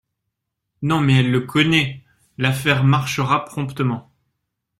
Non, mais elle le connaît… l’affaire marchera promptement…